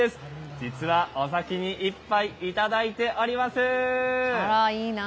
実は、お先に一杯いただいております。